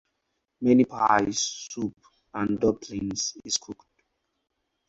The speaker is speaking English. Many pies, soup and dumplings is cooked.